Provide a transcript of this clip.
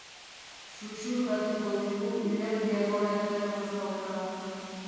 Xuxurlatuko digu ilargiak orain denok ez gaudela.